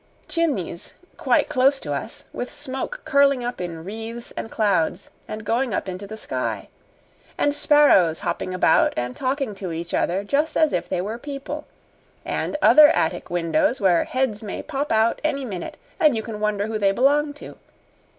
"Chimneys quite close to us with smoke curling up in wreaths and clouds and going up into the sky and sparrows hopping about and talking to each other just as if they were people and other attic windows where heads may pop out any minute and you can wonder who they belong to.